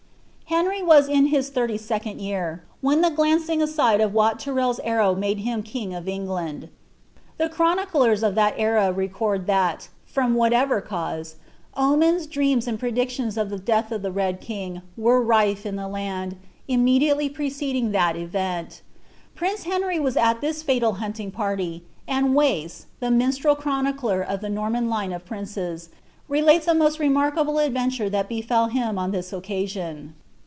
Henry was in his thirty second year, when the glancing aside of Wat TyrrePs arrow made him king of England. The chroniclers of that era record that, from whatever cause, omens, dreams, and predictions of the death of the Red Ring, were rife in the land, immediately preceding that event* Prince Henry was at this fatal hunting party ;' and Wace, the minstrel chronicler of the Norman line of princes, relates a most re markable adventure that befell him on this occasion.